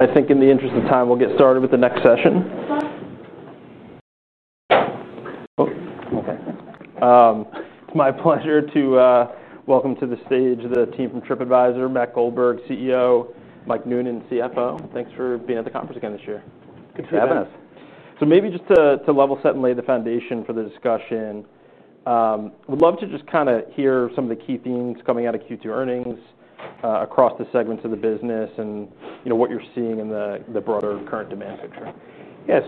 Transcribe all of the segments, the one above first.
I think in the interest of time, we'll get started with the next session. It's my pleasure to welcome to the stage the team from Tripadvisor, Matt Goldberg, CEO, and Mike Noonan, CFO. Thanks for being at the conference again this year. Thanks for having us. To level set and lay the foundation for the discussion, would love to just kind of hear some of the key themes coming out of Q2 earnings, across the segments of the business and what you're seeing in the broader current demand picture. Yeah.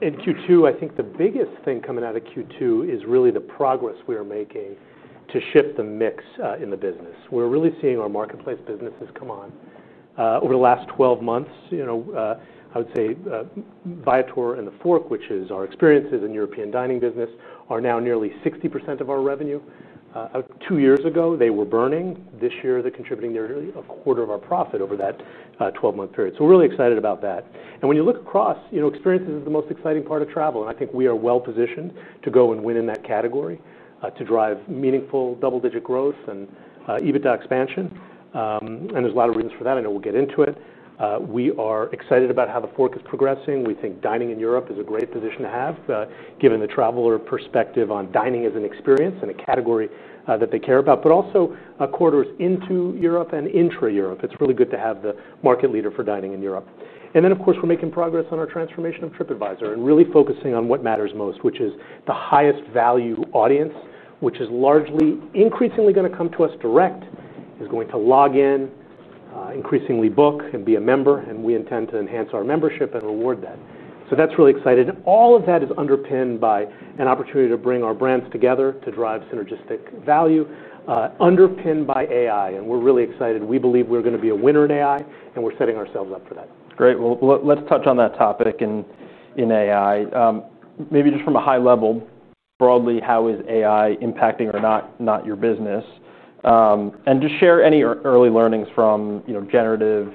In Q2, I think the biggest thing coming out of Q2 is really the progress we are making to shift the mix in the business. We're really seeing our marketplace businesses come on. Over the last 12 months, you know, I would say Viator and TheFork, which is our experiences and the European dining business, are now nearly 60% of our revenue. Two years ago, they were burning. This year, they're contributing nearly a quarter of our profit over that 12-month period. We're really excited about that. When you look across, you know, experiences are the most exciting part of travel. I think we are well positioned to go and win in that category, to drive meaningful double-digit growth and EBITDA expansion. There's a lot of reasons for that. I know we'll get into it. We are excited about how TheFork is progressing. We think dining in Europe is a great position to have, given the traveler perspective on dining as an experience and a category that they care about, but also, quarters into Europe and intra-Europe. It's really good to have the market leader for dining in Europe. Of course, we're making progress on our transformation of Tripadvisor and really focusing on what matters most, which is the highest value audience, which is largely increasingly going to come to us direct, is going to log in, increasingly book and be a member. We intend to enhance our membership and reward that. That's really exciting. All of that is underpinned by an opportunity to bring our brands together to drive synergistic value, underpinned by AI. We're really excited. We believe we're going to be a winner in AI, and we're setting ourselves up for that. Great. Let's touch on that topic in AI. Maybe just from a high level, broadly, how is AI impacting or not your business? Just share any early learnings from, you know, generative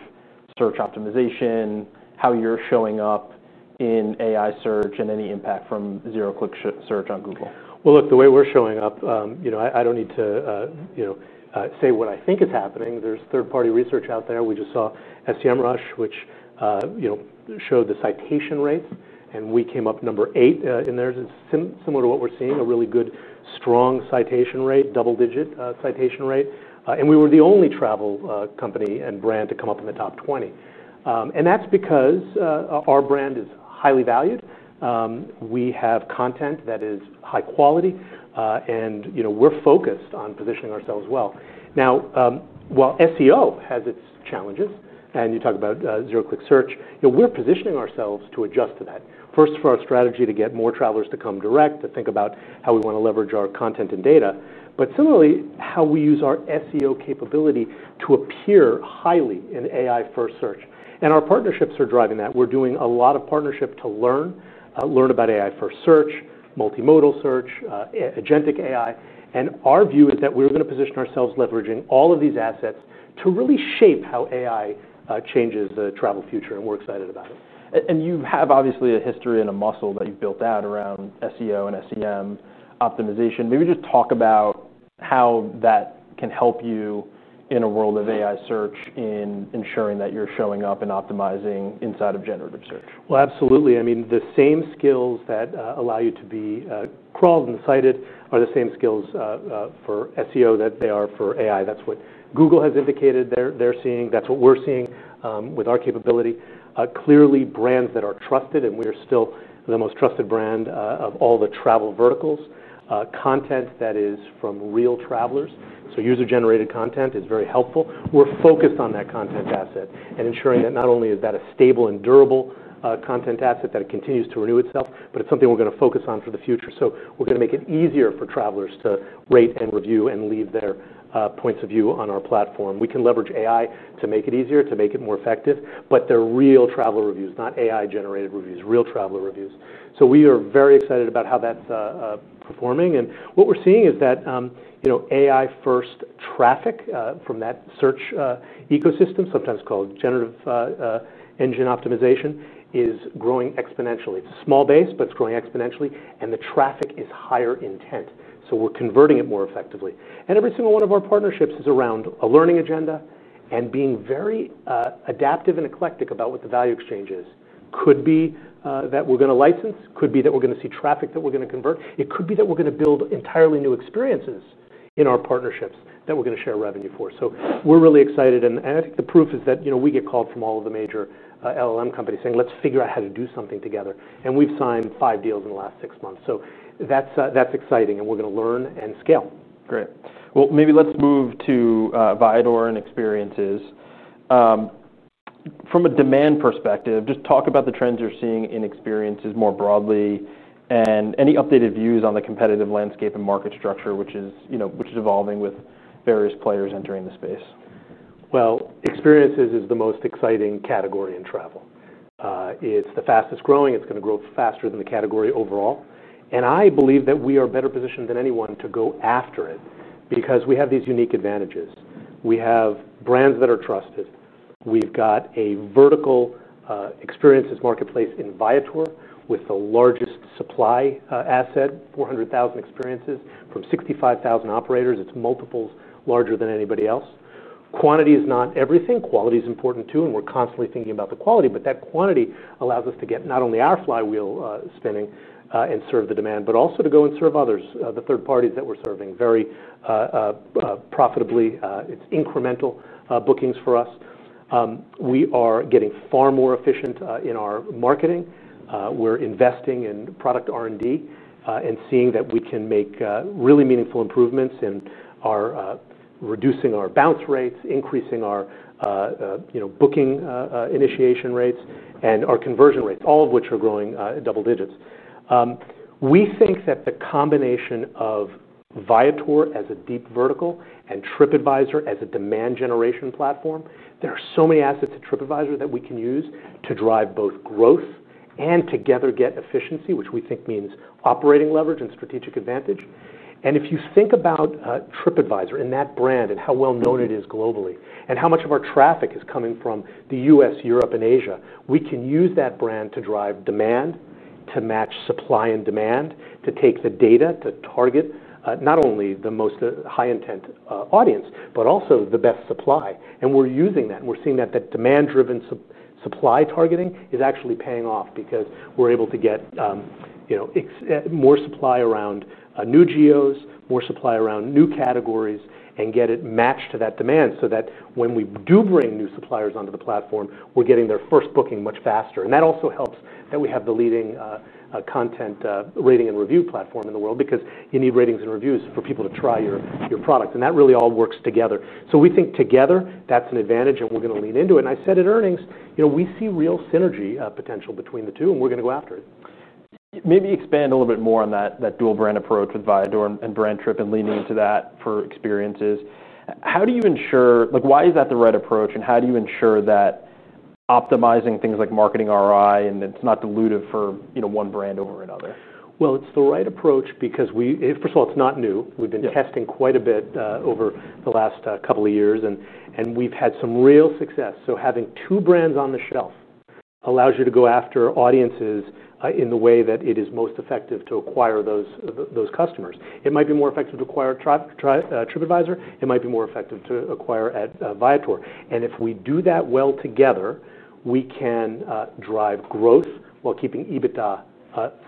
search optimization, how you're showing up in AI search, and any impact from zero-click search on Google. The way we're showing up, I don't need to say what I think is happening. There's third-party research out there. We just saw SEMrush, which showed the citation rates, and we came up number eight in there. It's similar to what we're seeing, a really good, strong citation rate, double-digit citation rate. We were the only travel company and brand to come up in the top 20. That's because our brand is highly valued. We have content that is high quality, and we're focused on positioning ourselves well. Now, while SEO has its challenges, and you talk about zero-click search, we're positioning ourselves to adjust to that. First, for our strategy to get more travelers to come direct, to think about how we want to leverage our content and data, but similarly, how we use our SEO capability to appear highly in AI-first search. Our partnerships are driving that. We're doing a lot of partnership to learn about AI-first search, multimodal search, agentic AI. Our view is that we're going to position ourselves leveraging all of these assets to really shape how AI changes the travel future, and we're excited about it. You have obviously a history and a muscle that you've built out around SEO and SEM optimization. Maybe just talk about how that can help you in a world of AI search in ensuring that you're showing up and optimizing inside of generative search. Absolutely. I mean, the same skills that allow you to be crawled and cited are the same skills for SEO that they are for AI. That's what Google has indicated they're seeing. That's what we're seeing with our capability. Clearly, brands that are trusted, and we are still the most trusted brand of all the travel verticals, content that is from real travelers. User-generated content is very helpful. We're focused on that content asset and ensuring that not only is that a stable and durable content asset that continues to renew itself, but it's something we're going to focus on for the future. We're going to make it easier for travelers to rate and review and leave their points of view on our platform. We can leverage AI to make it easier, to make it more effective, but they're real traveler reviews, not AI-generated reviews, real traveler reviews. We are very excited about how that's performing. What we're seeing is that AI-first traffic from that search ecosystem, sometimes called generative search optimization, is growing exponentially. It's a small base, but it's growing exponentially, and the traffic is higher intent. We're converting it more effectively. Every single one of our partnerships is around a learning agenda and being very adaptive and eclectic about what the value exchange is. It could be that we're going to license, could be that we're going to see traffic that we're going to convert. It could be that we're going to build entirely new experiences in our partnerships that we're going to share revenue for. We're really excited. I think the proof is that we get called from all of the major LLM companies saying, let's figure out how to do something together. We've signed five deals in the last six months. That's exciting, and we're going to learn and scale. Great. Maybe let's move to Viator and experiences. From a demand perspective, just talk about the trends you're seeing in experiences more broadly and any updated views on the competitive landscape and market structure, which is evolving with various players entering the space. Experiences is the most exciting category in travel. It's the fastest growing. It's going to grow faster than the category overall. I believe that we are better positioned than anyone to go after it because we have these unique advantages. We have brands that are trusted. We've got a vertical, experiences marketplace in Viator with the largest supply asset, 400,000 experiences from 65,000 operators. It's multiples larger than anybody else. Quantity is not everything. Quality is important too. We're constantly thinking about the quality, but that quantity allows us to get not only our flywheel spinning and serve the demand, but also to go and serve others, the third-party channels that we're serving very profitably. It's incremental bookings for us. We are getting far more efficient in our marketing. We're investing in product R&D and seeing that we can make really meaningful improvements in our reducing our bounce rates, increasing our booking initiation rates, and our conversion rates, all of which are growing double digits. We think that the combination of Viator as a deep vertical and Tripadvisor as a demand generation platform, there are so many assets at Tripadvisor that we can use to drive both growth and together get efficiency, which we think means operating leverage and strategic advantage. If you think about Tripadvisor and that brand and how well known it is globally and how much of our traffic is coming from the U.S., Europe, and Asia, we can use that brand to drive demand, to match supply and demand, to take the data to target not only the most high intent audience, but also the best supply. We're using that. We're seeing that that demand-driven supply targeting is actually paying off because we're able to get more supply around new geos, more supply around new categories, and get it matched to that demand so that when we do bring new suppliers onto the platform, we're getting their first booking much faster. It also helps that we have the leading content, leading and review platform in the world because you need ratings and reviews for people to try your products. That really all works together. We think together, that's an advantage, and we're going to lean into it. I said in earnings, we see real synergy potential between the two, and we're going to go after it. Maybe expand a little bit more on that dual brand approach with Viator and Tripadvisor and leaning into that for experiences. How do you ensure, like, why is that the right approach? How do you ensure that optimizing things like marketing ROI is not diluted for, you know, one brand over another? It's the right approach because, first of all, it's not new. We've been testing quite a bit over the last couple of years, and we've had some real success. Having two brands on the shelf allows you to go after audiences in the way that is most effective to acquire those customers. It might be more effective to acquire at Tripadvisor. It might be more effective to acquire at Viator. If we do that well together, we can drive growth while keeping EBITDA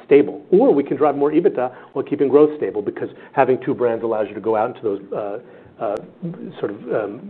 stable, or we can drive more EBITDA while keeping growth stable because having two brands allows you to go out into those sort of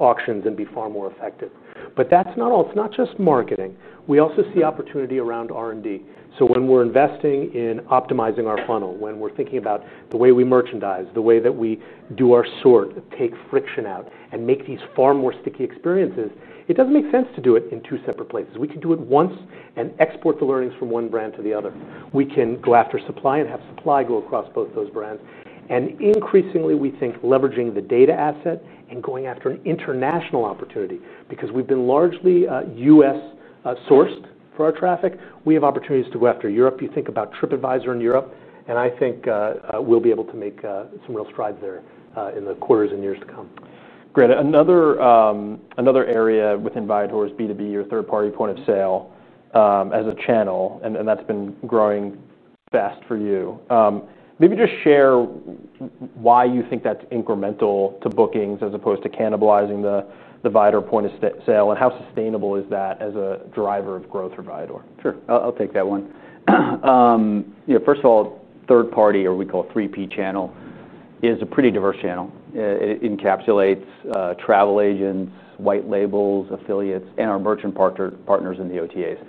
auctions and be far more effective. That's not all. It's not just marketing. We also see opportunity around R&D. When we're investing in optimizing our funnel, when we're thinking about the way we merchandise, the way that we do our sort, take friction out, and make these far more sticky experiences, it doesn't make sense to do it in two separate places. We can do it once and export the learnings from one brand to the other. We can go after supply and have supply go across both those brands. Increasingly, we think leveraging the data asset and going after an international opportunity because we've been largely U.S. sourced for our traffic. We have opportunities to go after Europe. You think about Tripadvisor in Europe. I think we'll be able to make some real strides there in the quarters and years to come. Great. Another area within Viator is B2B or third-party point of sale as a channel, and that's been growing fast for you. Maybe just share why you think that's incremental to bookings as opposed to cannibalizing the Viator point of sale, and how sustainable is that as a driver of growth for Viator. Sure. I'll take that one. You know, first of all, third-party, or we call it 3P channel, is a pretty diverse channel. It encapsulates travel agents, white labels, affiliates, and our merchant partners in the OTAs.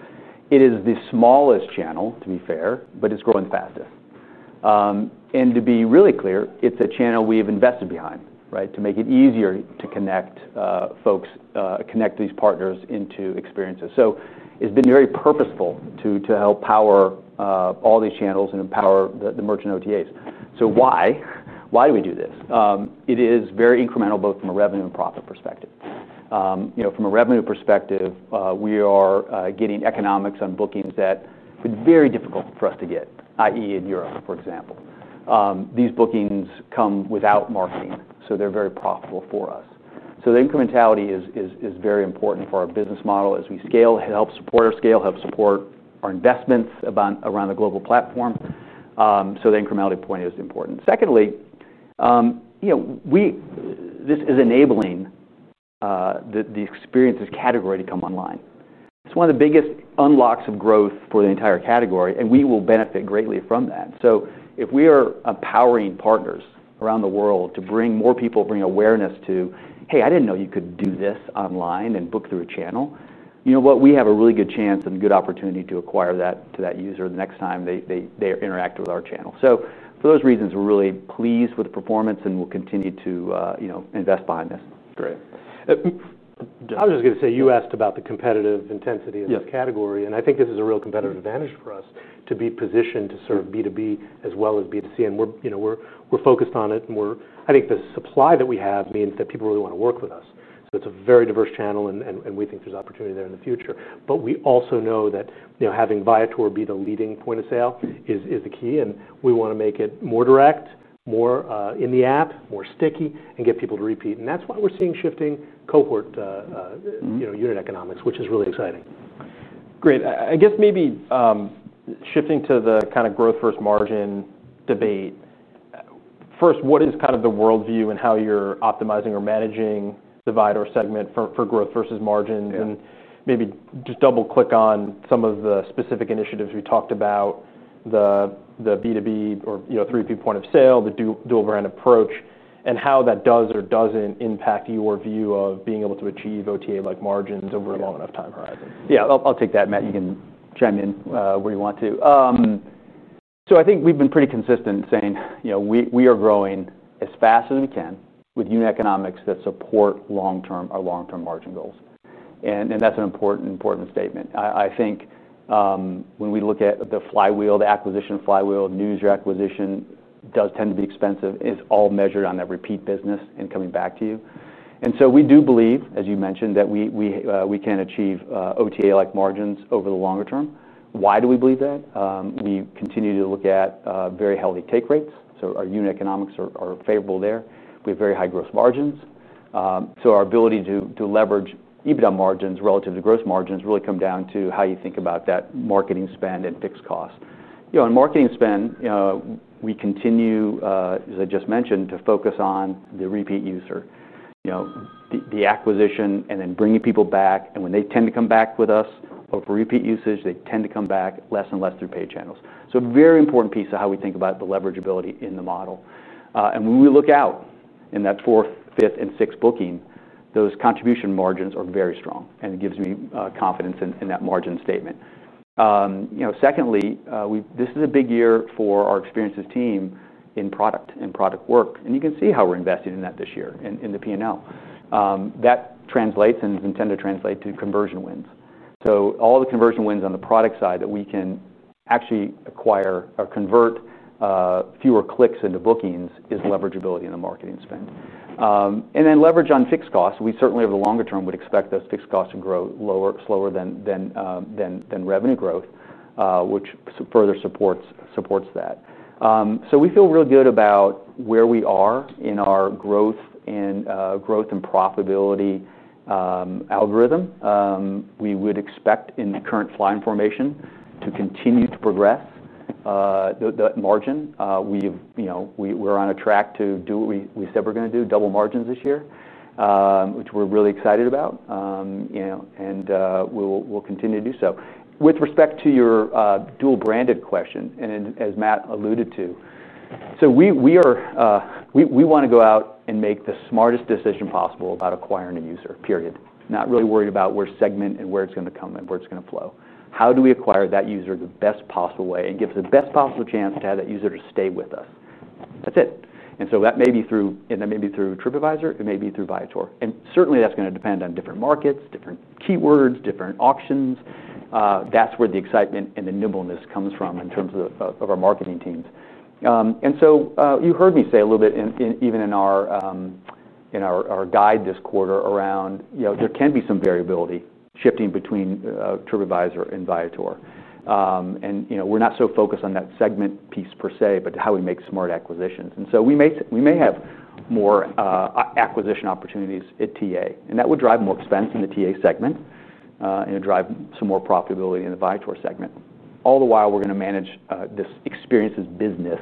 It is the smallest channel, to be fair, but it's growing faster. To be really clear, it's a channel we have invested behind, right, to make it easier to connect folks, connect these partners into experiences. It's been very purposeful to help power all these channels and empower the merchant OTAs. Why do we do this? It is very incremental both from a revenue and profit perspective. You know, from a revenue perspective, we are getting economics on bookings that have been very difficult for us to get, i.e., in Europe, for example. These bookings come without marketing. They're very profitable for us. The incrementality is very important for our business model as we scale. It helps support our scale and helps support our investments around the global platform. The incrementality point is important. Secondly, this is enabling the experiences category to come online. It's one of the biggest unlocks of growth for the entire category, and we will benefit greatly from that. If we are empowering partners around the world to bring more people, bring awareness to, hey, I didn't know you could do this online and book through a channel. You know what? We have a really good chance and good opportunity to acquire that user the next time they interact with our channel. For those reasons, we're really pleased with the performance and will continue to invest behind this. Great. I was just going to say you asked about the competitive intensity of this category. I think this is a real competitive advantage for us to be positioned to serve B2B as well as B2C. We're focused on it, and I think the supply that we have means that people really want to work with us. It's a very diverse channel, and we think there's opportunity there in the future. We also know that having Viator be the leading point of sale is the key. We want to make it more direct, more in the app, more sticky, and get people to repeat. That's why we're seeing shifting cohort unit economics, which is really exciting. Great. I guess maybe, shifting to the kind of growth versus margin debate. First, what is kind of the worldview and how you're optimizing or managing the Viator segment for growth versus margins? Maybe just double click on some of the specific initiatives we talked about, the B2B or, you know, 3P point of sale, the dual brand approach, and how that does or doesn't impact your view of being able to achieve OTA-like margins over a long enough time horizon. Yeah. I'll take that, Matt. You can chime in where you want to. I think we've been pretty consistent saying we are growing as fast as we can with unit economics that support our long-term margin goals. That's an important statement. I think, when we look at the flywheel, the acquisition flywheel, new user acquisition does tend to be expensive, it's all measured on that repeat business and coming back to you. We do believe, as you mentioned, that we can achieve OTA-like margins over the longer term. Why do we believe that? We continue to look at very healthy take rates, so our unit economics are favorable there. We have very high gross margins, so our ability to leverage EBITDA margins relative to gross margins really comes down to how you think about that marketing spend and fixed cost. On marketing spend, we continue, as I just mentioned, to focus on the repeat user, the acquisition and then bringing people back. When they tend to come back with us over repeat usage, they tend to come back less and less through paid channels. That's a very important piece of how we think about the leverageability in the model. When we look out in that fourth, fifth, and sixth booking, those contribution margins are very strong. It gives me confidence in that margin statement. Secondly, this is a big year for our experiences team in product and product work. You can see how we're investing in that this year in the P&L. That translates and is intended to translate to conversion wins. All the conversion wins on the product side that we can actually acquire or convert, fewer clicks into bookings is leverageability in the marketing spend. Then leverage on fixed costs. We certainly over the longer term would expect those fixed costs to grow slower than revenue growth, which further supports that. We feel real good about where we are in our growth and profitability algorithm. We would expect in the current flying formation to continue to progress the margin. We have, we're on a track to do what we said we're going to do, double margins this year, which we're really excited about. We'll continue to do so. With respect to your dual branded question, and as Matt alluded to, we want to go out and make the smartest decision possible about acquiring a user, period. Not really worried about where segment and where it's going to come and where it's going to flow. How do we acquire that user the best possible way and give us the best possible chance to have that user to stay with us? That's it. That may be through Tripadvisor. It may be through Viator. Certainly, that's going to depend on different markets, different keywords, different auctions. That's where the excitement and the nimbleness comes from in terms of our marketing teams. You heard me say a little bit in our guide this quarter around, you know, there can be some variability shifting between Tripadvisor and Viator. We're not so focused on that segment piece per se, but how we make smart acquisitions. We may have more acquisition opportunities at TA. That would drive more expense in the TA segment, drive some more profitability in the Viator segment. All the while, we're going to manage this experiences business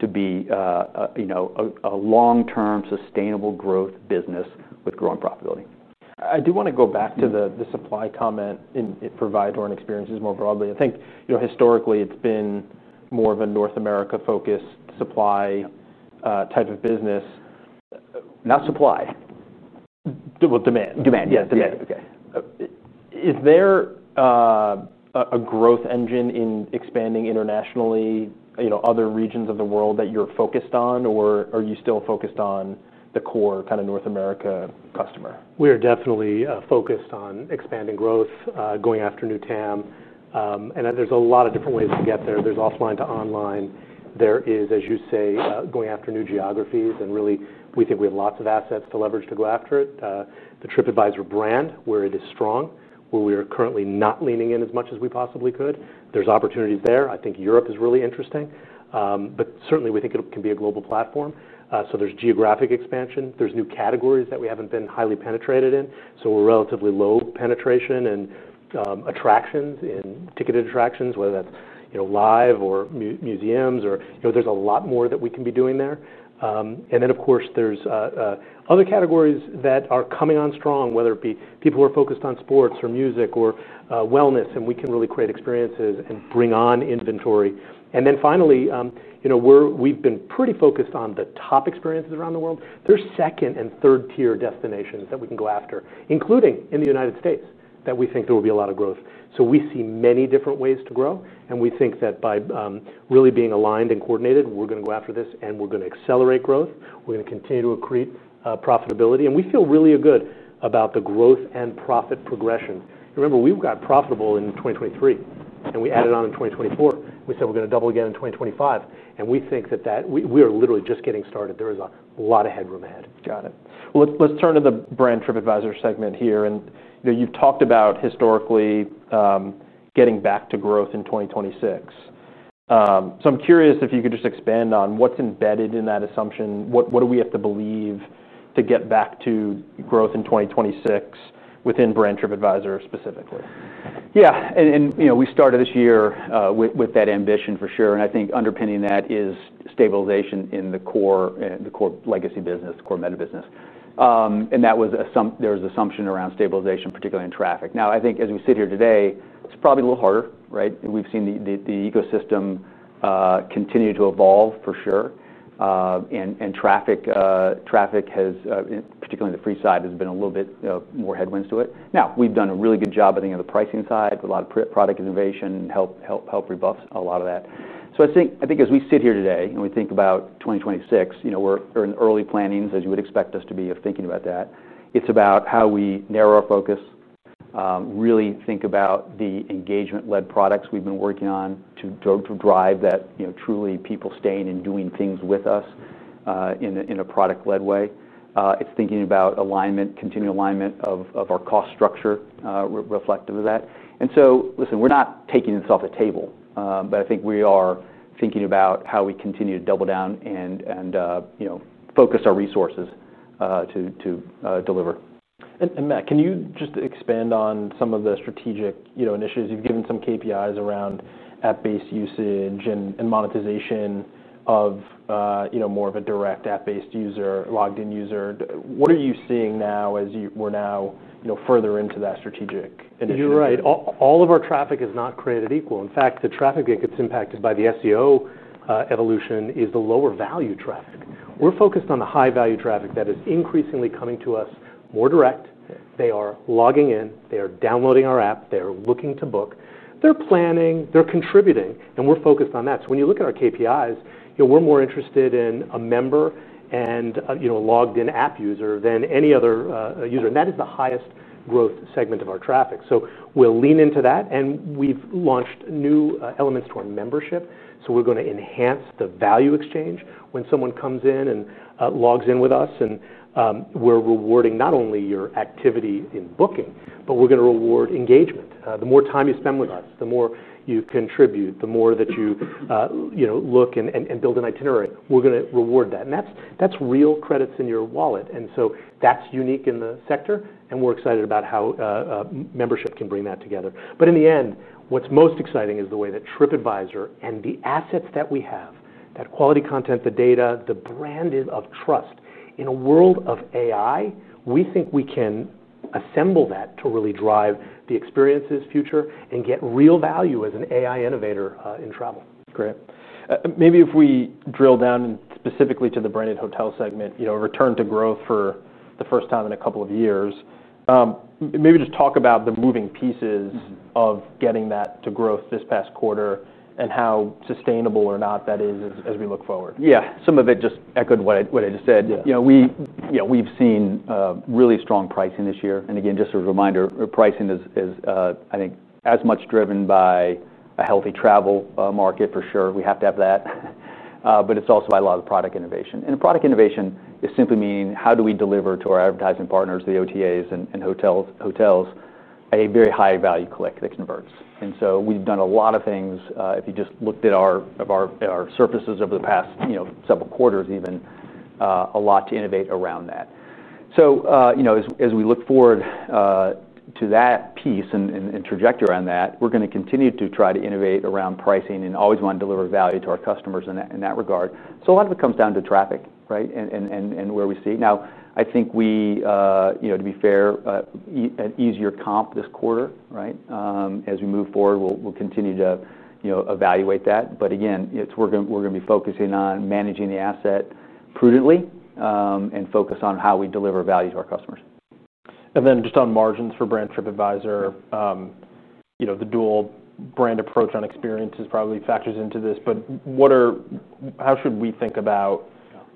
to be a long-term sustainable growth business with growing profitability. I do want to go back to the supply comment for Viator and experiences more broadly. I think, you know, historically, it's been more of a North America focus supply type of business, not supply. Demand. Demand. Yeah, demand. Okay. Is there a growth engine in expanding internationally, you know, other regions of the world that you're focused on, or are you still focused on the core kind of North America customer? We are definitely focused on expanding growth, going after new TAM, and there's a lot of different ways to get there. There's offline to online. There is, as you say, going after new geographies. We think we have lots of assets to leverage to go after it: the Tripadvisor brand, where it is strong, where we are currently not leaning in as much as we possibly could. There's opportunity there. I think Europe is really interesting. We certainly think it can be a global platform, so there's geographic expansion. There's new categories that we haven't been highly penetrated in, so we're relatively low penetration in attractions, in ticketed attractions, whether that's live or museums. There's a lot more that we can be doing there. Of course, there are other categories that are coming on strong, whether it be people who are focused on sports or music or wellness, and we can really create experiences and bring on inventory. Finally, we've been pretty focused on the top experiences around the world. There are second and third-tier destinations that we can go after, including in the United States, that we think there will be a lot of growth. We see many different ways to grow, and we think that by really being aligned and coordinated, we're going to go after this, and we're going to accelerate growth. We're going to continue to accrete profitability, and we feel really good about the growth and profit progression. Remember, we got profitable in 2023, and we added on in 2024. We said we're going to double again in 2025, and we think that we are literally just getting started. There is a lot of headroom ahead. Got it. Let's turn to the Brand Tripadvisor segment here. You've talked about historically getting back to growth in 2026. I'm curious if you could just expand on what's embedded in that assumption. What do we have to believe to get back to growth in 2026 within Brand Tripadvisor specifically? Yeah. You know, we started this year with that ambition for sure. I think underpinning that is stabilization in the core and the core legacy business, the core meta business. There was assumption around stabilization, particularly in traffic. Now, I think as we sit here today, it's probably a little harder, right? We've seen the ecosystem continue to evolve for sure, and traffic, particularly the free side, has been a little bit more headwinds to it. We've done a really good job, I think, on the pricing side with a lot of product innovation and helped rebuff a lot of that. I think as we sit here today and we think about 2026, we're in early plannings, as you would expect us to be, of thinking about that. It's about how we narrow our focus, really think about the engagement-led products we've been working on to drive that, truly people staying and doing things with us in a product-led way. It's thinking about alignment, continual alignment of our cost structure, reflective of that. We're not taking this off the table, but I think we are thinking about how we continue to double down and focus our resources to deliver. Matt, can you just expand on some of the strategic initiatives? You've given some KPIs around app-based usage and monetization of more of a direct app-based user, logged-in user. What are you seeing now as you're now further into that strategic initiative? You're right. All of our traffic is not created equal. In fact, the traffic that gets impacted by the SEO evolution is the lower value traffic. We're focused on the high-value traffic that is increasingly coming to us more direct. They are logging in, they are downloading our app, they are looking to book, they're planning, they're contributing, and we're focused on that. When you look at our KPIs, we're more interested in a member and a logged-in app user than any other user, and that is the highest growth segment of our traffic. We'll lean into that. We've launched new elements to our membership. We're going to enhance the value exchange when someone comes in and logs in with us. We're rewarding not only your activity in booking, but we're going to reward engagement. The more time you spend with us, the more you contribute, the more that you look and build an itinerary, we're going to reward that. That's real credits in your wallet, and that's unique in the sector. We're excited about how membership can bring that together. In the end, what's most exciting is the way that Tripadvisor and the assets that we have, that quality content, the data, the brand of trust in a world of AI, we think we can assemble that to really drive the experiences future and get real value as an AI innovator in travel. Great. Maybe if we drill down specifically to the branded hotel segment, you know, a return to growth for the first time in a couple of years. Maybe just talk about the moving pieces of getting that to growth this past quarter and how sustainable or not that is as we look forward. Yeah. Some of it just echoed what I just said. You know, we've seen really strong pricing this year. Again, just a reminder, pricing is, I think, as much driven by a healthy travel market for sure. We have to have that, but it's also by a lot of the product innovation. The product innovation is simply meaning how do we deliver to our advertising partners, the OTAs, and hotels a very high-value click that converts. We've done a lot of things, if you just looked at our surfaces over the past several quarters even, a lot to innovate around that. As we look forward to that piece and trajectory on that, we're going to continue to try to innovate around pricing and always want to deliver value to our customers in that regard. A lot of it comes down to traffic, right, and where we see. I think we, to be fair, an easier comp this quarter, right? As we move forward, we'll continue to evaluate that. Again, we're going to be focusing on managing the asset prudently and focus on how we deliver value to our customers. On margins for Brand Tripadvisor, the dual brand approach on experiences probably factors into this. How should we think about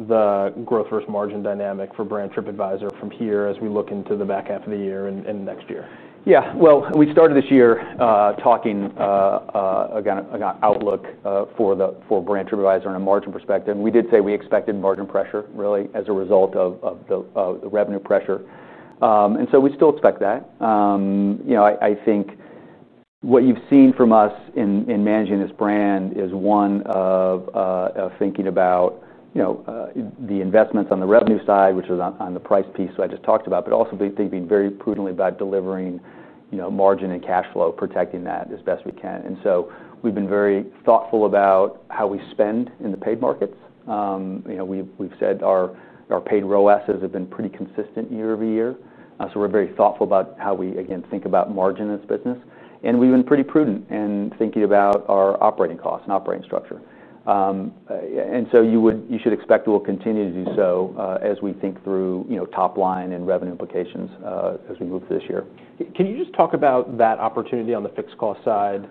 the growth versus margin dynamic for Brand Tripadvisor from here as we look into the back half of the year and next year? Yeah. We started this year talking about outlook for the Brand Tripadvisor in a margin perspective. We did say we expected margin pressure really as a result of the revenue pressure, and we still expect that. I think what you've seen from us in managing this brand is one of thinking about the investments on the revenue side, which is on the price piece that I just talked about, but also thinking very prudently about delivering margin and cash flow, protecting that as best we can. We've been very thoughtful about how we spend in the paid markets. We've said our paid ROAS assets have been pretty consistent year over year, so we're very thoughtful about how we, again, think about margin in this business. We've been pretty prudent in thinking about our operating costs and operating structure, and you should expect we'll continue to do so as we think through top line and revenue implications as we move through this year. Can you just talk about that opportunity on the fixed cost side,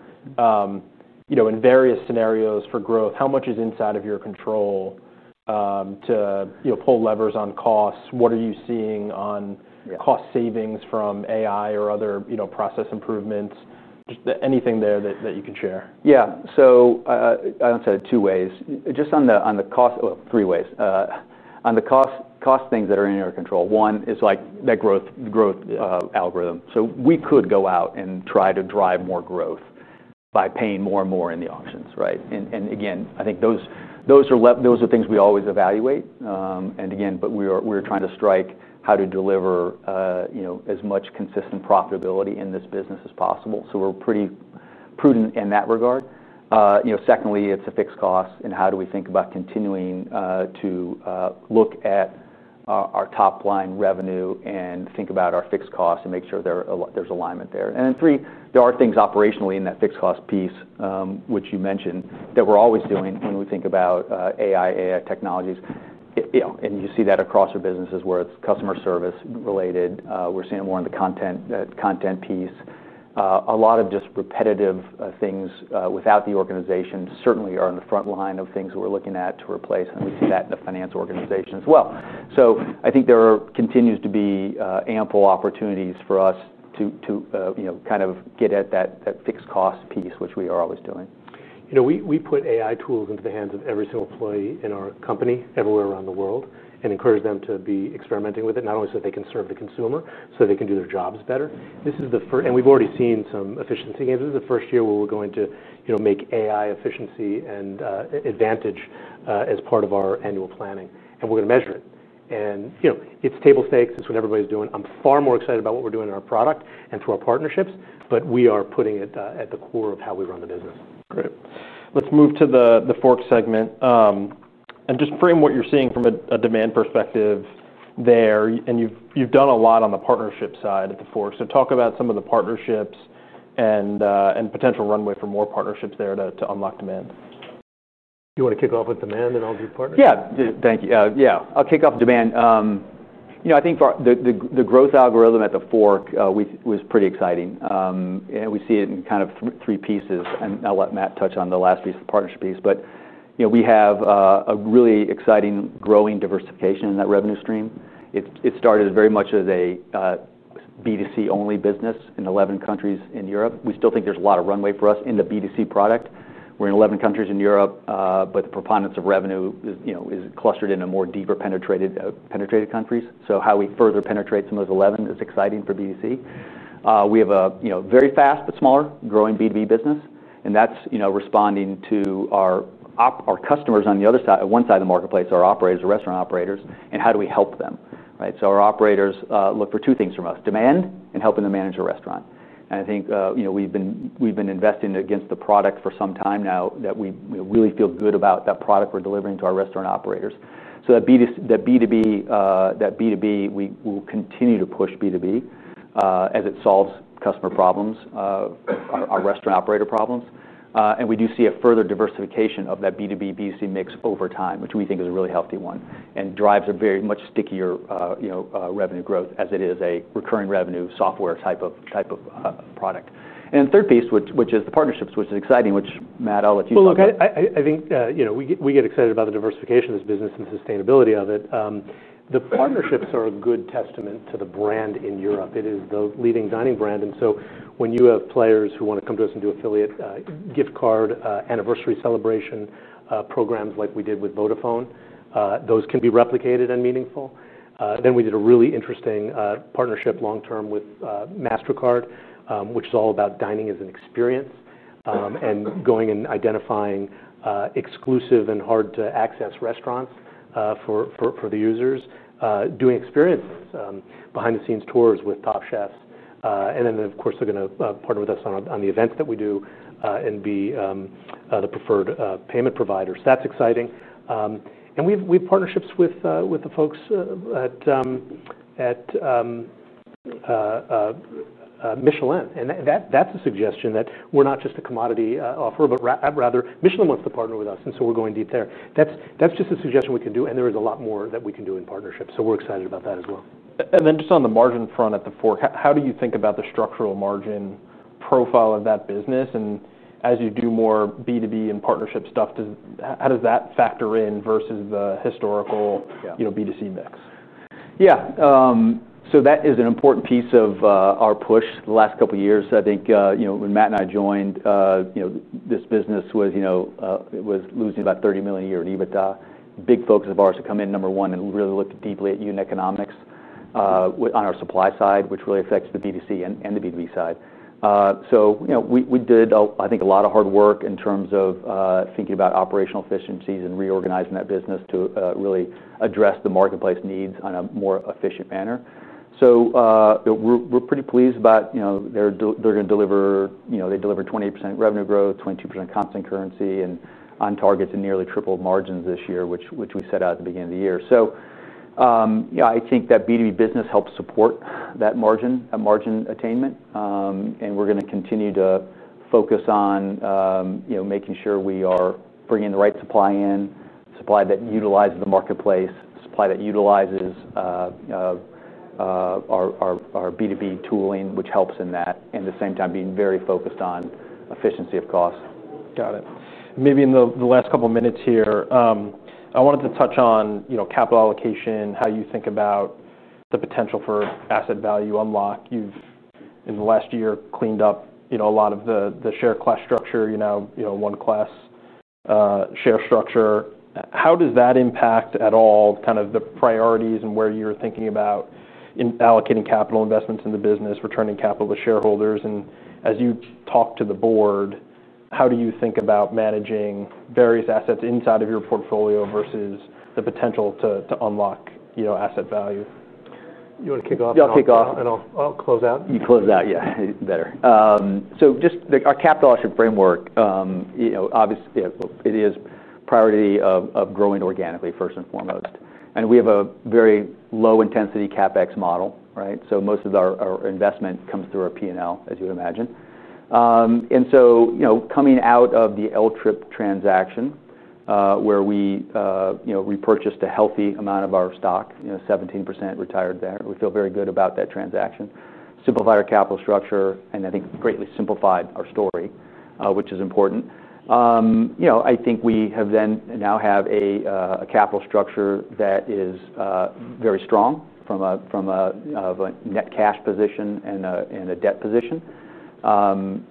in various scenarios for growth? How much is inside of your control to pull levers on costs? What are you seeing on cost savings from AI or other process improvements? Anything there that you can share? Yeah. I don't say two ways. Just on the cost, well, three ways. On the cost, things that are in our control. One is that growth, the growth algorithm. We could go out and try to drive more growth by paying more and more in the options, right? I think those are things we always evaluate. We are trying to strike how to deliver as much consistent profitability in this business as possible. We're pretty prudent in that regard. Secondly, it's a fixed cost. How do we think about continuing to look at our top line revenue and think about our fixed cost and make sure there's alignment there? Then, there are things operationally in that fixed cost piece, which you mentioned, that we're always doing when we think about AI, AI technologies. You see that across our businesses where it's customer service related. We're seeing more in the content, that content piece. A lot of just repetitive things within the organization certainly are on the front line of things that we're looking at to replace. We see that in the finance organization as well. I think there continues to be ample opportunities for us to get at that fixed cost piece, which we are always doing. We put AI tools into the hands of every single employee in our company everywhere around the world and encourage them to be experimenting with it, not only so they can serve the consumer, so they can do their jobs better. This is the first, and we've already seen some efficiency gains. This is the first year where we're going to, you know, make AI efficiency and advantage as part of our annual planning. We're going to measure it. You know, it's table stakes. It's what everybody's doing. I'm far more excited about what we're doing in our product and through our partnerships, but we are putting it at the core of how we run the business. Great. Let's move to TheFork segment, and just frame what you're seeing from a demand perspective there. You've done a lot on the partnership side at TheFork. Talk about some of the partnerships and potential runway for more partnerships there to unlock demand. Do you want to kick off with demand and all of your partners? Yeah. Thank you. Yeah. I'll kick off the demand. You know, I think for the growth algorithm at TheFork, was pretty exciting. We see it in kind of three pieces. I'll let Matt touch on the last piece, the partnership piece. You know, we have a really exciting, growing diversification in that revenue stream. It started very much as a B2C only business in 11 countries in Europe. We still think there's a lot of runway for us in the B2C product. We're in 11 countries in Europe, but the preponderance of revenue is clustered in more deeply penetrated countries. How we further penetrate some of those 11 is exciting for B2C. We have a very fast but smaller growing B2B business, and that's responding to our customers on the other side, one side of the marketplace, our operators, the restaurant operators, and how do we help them, right? Our operators look for two things from us: demand and helping them manage a restaurant. I think we've been investing against the products for some time now that we really feel good about that product we're delivering to our restaurant operators. That B2B, we will continue to push B2B as it solves customer problems, our restaurant operator problems. We do see a further diversification of that B2B B2C mix over time, which we think is a really healthy one and drives a very much stickier revenue growth as it is a recurring revenue software type of product. The third piece, which is the partnerships, which is exciting, which Matt, I'll let you start. I think, you know, we get excited about the diversification of this business and the sustainability of it. The partnerships are a good testament to the brand in Europe. It is the leading dining brand. When you have players who want to come to us and do affiliate, gift card, anniversary celebration programs like we did with Vodafone, those can be replicated and meaningful. We did a really interesting partnership long term with MasterCard, which is all about dining as an experience, and going and identifying exclusive and hard-to-access restaurants for the users, doing experiences, behind-the-scenes tours with top chefs. Of course, they're going to partner with us on the events that we do, and be the preferred payment providers. That's exciting. We have partnerships with the folks at Michelin. That's a suggestion that we're not just a commodity offer, but rather, Michelin wants to partner with us. We're going deep there. That's just a suggestion we can do. There is a lot more that we can do in partnership. We're excited about that as well. On the margin front at TheFork, how do you think about the structural margin profile of that business? As you do more B2B and partnership stuff, how does that factor in versus the historical, you know, B2C mix? Yeah, that is an important piece of our push the last couple of years. I think, you know, when Matt and I joined, this business was, you know, it was losing about $30 million a year in EBITDA. Big focus of ours to come in, number one, and really look deeply at unit economics on our supply side, which really affects the B2C and the B2B side. We did, I think, a lot of hard work in terms of thinking about operational efficiencies and reorganizing that business to really address the marketplace needs in a more efficient manner. We're pretty pleased about, you know, they're going to deliver, you know, they delivered 28% revenue growth, 22% constant currency, and on target to nearly triple margins this year, which we set out at the beginning of the year. I think that B2B business helps support that margin attainment. We're going to continue to focus on making sure we are bringing the right supply in, supply that utilizes the marketplace, supply that utilizes our B2B tooling, which helps in that, and at the same time being very focused on efficiency of costs. Got it. Maybe in the last couple of minutes here, I wanted to touch on capital allocation, how you think about the potential for asset value unlock. In the last year, you cleaned up a lot of the share class structure, one class share structure. How does that impact at all the priorities and where you're thinking about allocating capital investments in the business, returning capital to shareholders? As you talk to the board, how do you think about managing various assets inside of your portfolio versus the potential to unlock asset value? You want to kick off? Yeah, I'll kick off, and I'll close out. You close out. Yeah. Better. Just like our capital offshoot framework, you know, obviously, it is a priority of growing organically, first and foremost. We have a very low-intensity CapEx model, right? Most of our investment comes through our P&L, as you would imagine. Coming out of the L Trip transaction, where we repurchased a healthy amount of our stock, 17% retired there. We feel very good about that transaction. Simplified our capital structure, and I think greatly simplified our story, which is important. I think we now have a capital structure that is very strong from a net cash position and a debt position.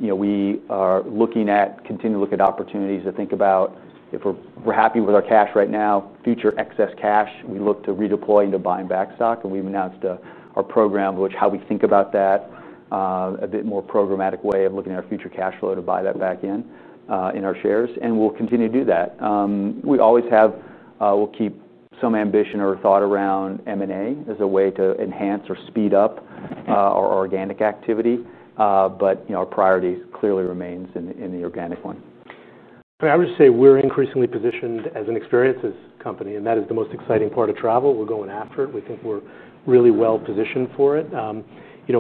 We are looking at continuing to look at opportunities to think about if we're happy with our cash right now, future excess cash, we look to redeploy into buying back stock. We've announced our program, which is how we think about that, a bit more programmatic way of looking at our future cash flow to buy that back in our shares. We'll continue to do that. We always have, we'll keep some ambition or thought around M&A as a way to enhance or speed up our organic activity. Our priorities clearly remain in the organic one. I would just say we're increasingly positioned as an experiences company, and that is the most exciting part of travel. We're going after it. We think we're really well positioned for it.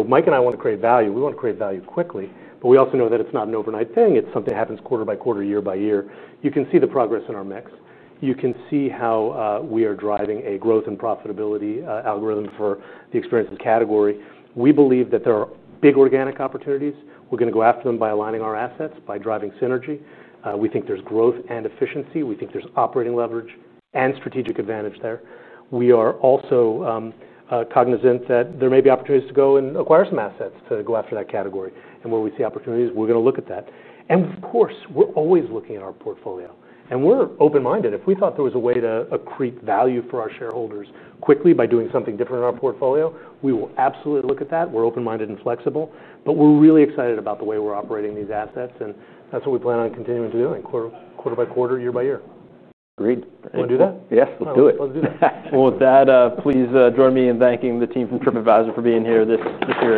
Mike and I want to create value. We want to create value quickly, but we also know that it's not an overnight thing. It's something that happens quarter by quarter, year by year. You can see the progress in our mix. You can see how we are driving a growth and profitability algorithm for the experiences category. We believe that there are big organic opportunities. We're going to go after them by aligning our assets, by driving synergy. We think there's growth and efficiency. We think there's operating leverage and strategic advantage there. We are also cognizant that there may be opportunities to go and acquire some assets to go after that category. Where we see opportunities, we're going to look at that. Of course, we're always looking at our portfolio. We're open-minded. If we thought there was a way to accrete value for our shareholders quickly by doing something different in our portfolio, we will absolutely look at that. We're open-minded and flexible, but we're really excited about the way we're operating these assets. That's what we plan on continuing to do, I think, quarter by quarter, year by year. Agreed. Do that? Yes, let's do it. Let's do that. Please join me in thanking the team from Tripadvisor for being here. The field.